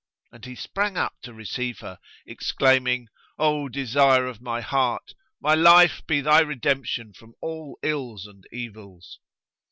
and he sprang up to receive her, exclaiming, "O desire of my heart, my life be thy redemption from all ills and evils!"